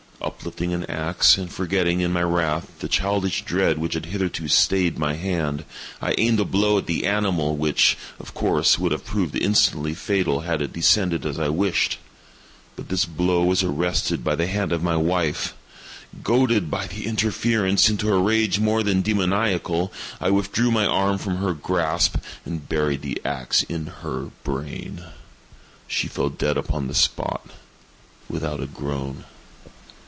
Uplifting an axe, and forgetting, in my wrath, the childish dread which had hitherto stayed my hand, I aimed a blow at the animal which, of course, would have proved instantly fatal had it descended as I wished. But this blow was arrested by the hand of my wife. Goaded, by the interference, into a rage more than demoniacal, I withdrew my arm from her grasp and buried the axe in her brain. She fell dead upon the spot, without a groan.